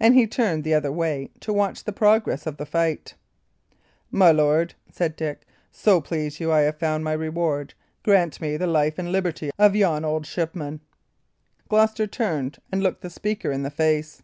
And he turned the other way to watch the progress of the fight. "My lord," said Dick, "so please you, I have found my reward. Grant me the life and liberty of yon old shipman." Gloucester turned and looked the speaker in the face.